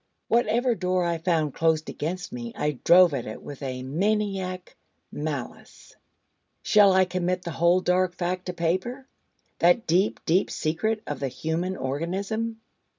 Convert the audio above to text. Whatever door I found closed against me I drove at it with a maniac malice. Shall I commit the whole dark fact to paper? that deep, deep secret of the human organism?